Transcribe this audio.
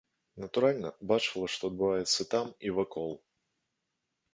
Натуральна, бачыла, што адбываецца там і вакол.